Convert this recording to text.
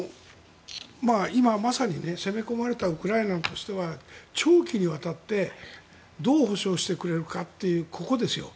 今まさに攻め込まれたウクライナとしては長期にわたってどう保証してくれるかここですよ。